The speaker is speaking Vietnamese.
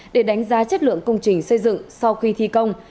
để đánh giá chất lượng công trình xây dựng sau khi thi công